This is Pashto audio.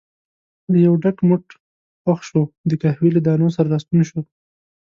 له یو ډک موټ پخ شوو د قهوې له دانو سره راستون شو.